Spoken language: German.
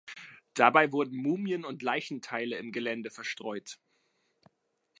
Dabei wurden Mumien und Leichenteile im Gelände verstreut.